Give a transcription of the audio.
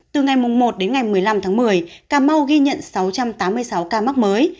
từ ngày một đến ngày một mươi năm tháng một mươi cà mau ghi nhận sáu trăm tám mươi sáu ca mắc mới